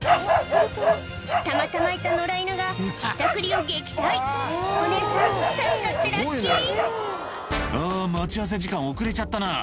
たまたまいた野良犬がひったくりを撃退お姉さん助かってラッキー「あぁ待ち合わせ時間遅れちゃったな」